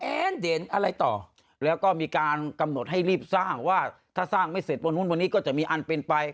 เด่นอะไรต่อแล้วก็มีการกำหนดให้รีบสร้างว่าถ้าสร้างไม่เสร็จวันนู้นวันนี้ก็จะมีอันเป็นไป